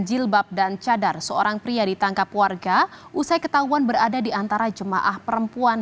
jilbab dan cadar seorang pria ditangkap warga usai ketahuan berada di antara jemaah perempuan